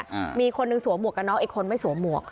อ่ามีคนหนึ่งสวมหวกกันน็อกอีกคนไม่สวมหมวก